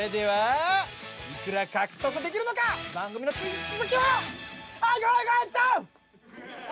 はい。